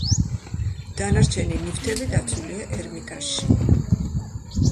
დანარჩენი ნივთები დაცულია ერმიტაჟში.